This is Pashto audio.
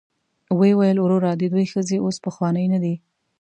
ویل یې وروره د دوی ښځې اوس پخوانۍ نه دي.